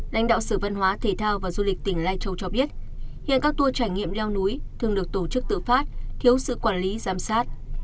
lãnh đạo sở văn hóa thể thao và du lịch tỉnh lai châu cho biết hiện các tour trải nghiệm leo núi thường được tổ chức tự phát thiếu sự quản lý giám sát